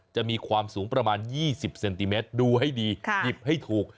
จะมีความสูงประมาณ๒๐เซนติเมตรดูให้ดีหยิบให้ถูก